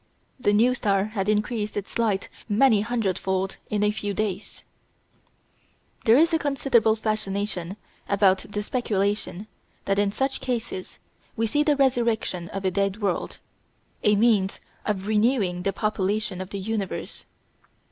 The new star had increased its light many hundredfold in a few days. There is a considerable fascination about the speculation that in such cases we see the resurrection of a dead world, a means of renewing the population of the universe.